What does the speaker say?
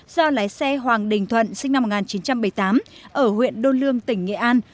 do lái xe hoàng đình thuận sinh năm một nghìn chín trăm bảy mươi tám ở huyện đôn lương tỉnh nghệ an